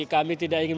kami tidak ingin